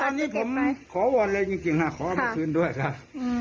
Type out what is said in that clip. การเล็กไงผมขอวันเลยยังไงค่ะขอมากินด้วยครับ